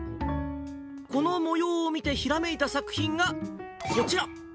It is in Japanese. この模様を見て、ひらめいた作品がこちら。